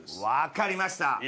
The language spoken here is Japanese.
わかりました。